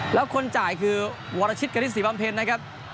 แล้วคนจ่ายคือวัตชิตกะทิสีบำเพลนะครับ